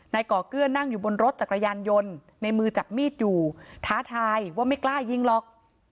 ก่อเกื้อนั่งอยู่บนรถจักรยานยนต์ในมือจับมีดอยู่ท้าทายว่าไม่กล้ายิงหรอก